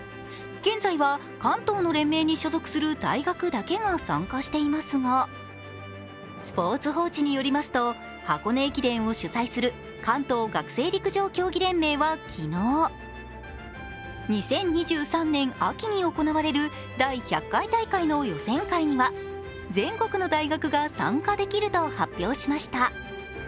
現在は関東の連盟に所属する大学だけが参加していますが「スポーツ報知」によりますと、箱根駅伝を取材する関東学生陸上競技連盟は昨日、２０２３年秋に行われる第１００回大会の予選会には全国の大学が参加できると発表しました。